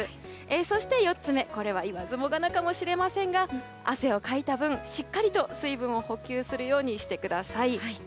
そして４つ目言わずもがなかもしれませんが汗をかいた分、しっかりと水分を補給するようにしてください。